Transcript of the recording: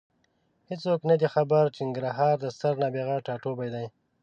هېڅوک نه دي خبر چې ننګرهار د ستر نابغه ټاټوبی دی.